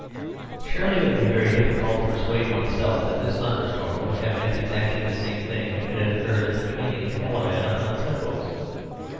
Surely it would be very difficult to persuade oneself that this thunderstorm would have meant exactly the same thing if it had occurred at the beginning of "Caliban upon Setebos."